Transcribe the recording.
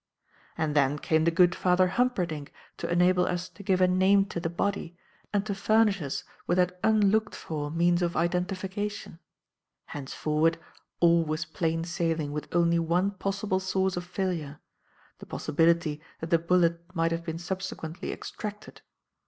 And then came the good Father Humperdinck to enable us to give a name to the body and to furnish us with that unlocked for means of identification. Henceforward, all was plain sailing with only one possible source of failure; the possibility that the bullet might have been subsequently extracted.